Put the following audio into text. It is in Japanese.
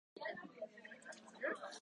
地球温暖化